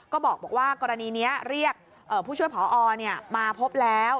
ก็บอกว่ากรณีนี้เรียกผู้ช่วยพอมาพบแล้ว